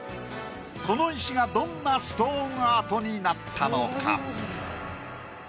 この石がどんなストーンアートになったのか？